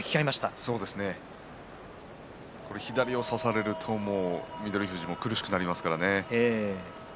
左を差されると翠富士は苦しくなりますからね。